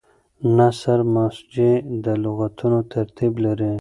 نثر مسجع د لغتونو ترتیب لري.